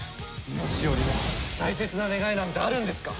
命よりも大切な願いなんてあるんですか！？